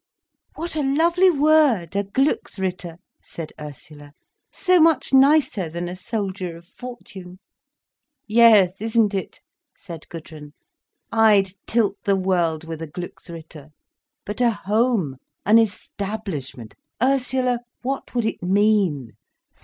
"What a lovely word—a Glücksritter!" said Ursula. "So much nicer than a soldier of fortune." "Yes, isn't it?" said Gudrun. "I'd tilt the world with a Glücksritter. But a home, an establishment! Ursula, what would it mean?